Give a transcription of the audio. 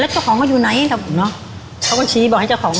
แล้วเจ้าของก็อยู่ไหนแบบเนอะเขาก็ชี้บอกให้เจ้าของ